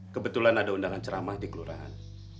kebetulan ada undangan ceramah di kelurahan